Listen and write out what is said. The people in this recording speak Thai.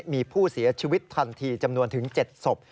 มีผู้เสียชีวิตทันทีจำนวนถึง๗ศพ